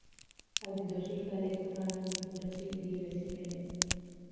އަދި ދޮށީކަލޭގެފާނުންގެ ކުޑަސީދީ ވެސް ހިމެނެ